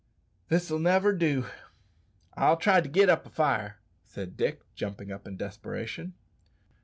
"This'll never do. I'll try to git up a fire," said Dick, jumping up in desperation.